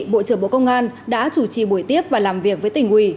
bộ trưởng bộ công an đã chủ trì buổi tiếp và làm việc với tỉnh ủy